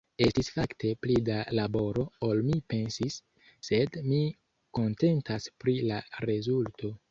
Estis fakte pli da laboro ol mi pensis, sed mi kontentas pri la rezulto!